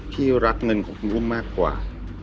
ที่รักเงินของคุณอุ้มมากกว่า